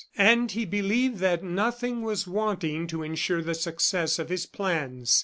And he believed that nothing was wanting to insure the success of his plans.